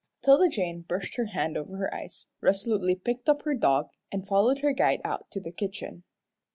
'Tilda Jane brushed her hand over her eyes, resolutely picked up her dog, and followed her guide out to the kitchen.